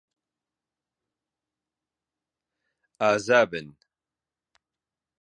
ئازا بن.